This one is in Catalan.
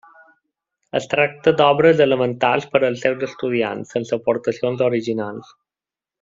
Es tracta d'obres elementals per als seus estudiants, sense aportacions originals.